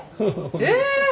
え！